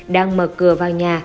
đang mở cửa vào nhà